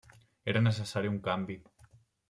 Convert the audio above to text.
Era necessari un canvi.